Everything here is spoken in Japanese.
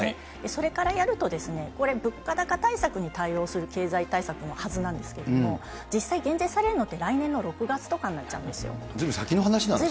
それからやるとですね、これ、物価高対策に対応する経済対策のはずなんですけども、実際、減税されるのって来年の６月とかずいぶん先の話なんですね。